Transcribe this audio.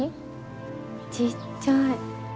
ちっちゃい。